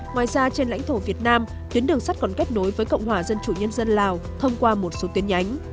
ngoài ra trên lãnh thổ việt nam tuyến đường sắt còn kết nối với cộng hòa dân chủ nhân dân lào thông qua một số tuyến nhánh